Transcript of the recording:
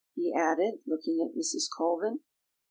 he added, looking at Mrs. Colvin.